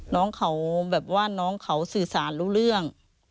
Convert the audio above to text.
น้องเขาแบบว่าน้องเขาสื่อสารรู้เรื่อง